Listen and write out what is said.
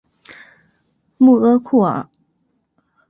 穆阿库尔。